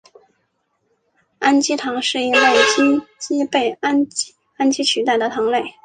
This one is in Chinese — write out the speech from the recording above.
氨基糖是一类羟基被氨基取代的糖类。